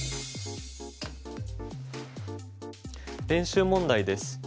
練習問題です。